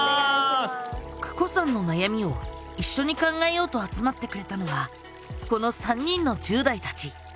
ＫＵＫＯさんの悩みを一緒に考えようと集まってくれたのはこの３人の１０代たち。